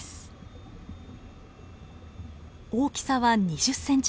大きさは２０ｃｍほど。